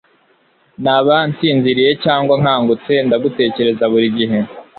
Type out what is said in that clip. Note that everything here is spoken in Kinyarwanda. naba nsinziriye cyangwa nkangutse, ndagutekereza buri gihe